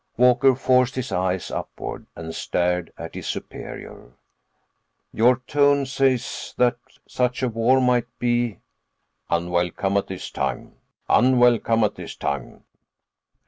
__] Walker forced his eyes upward and stared at his superior. "Your tone says that such a war might be—" "Unwelcome at this time. Unwelcome at this time."